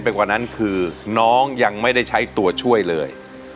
กว่านั้นคือน้องยังไม่ได้ใช้ตัวช่วยเลย